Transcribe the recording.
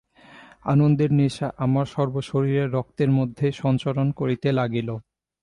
আনন্দের নেশা আমার সর্বশরীরের রক্তের মধ্যে সঞ্চরণ করিতে লাগিল।